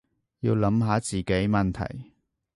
要諗下自己問題